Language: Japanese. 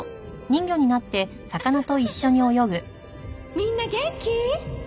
みんな元気？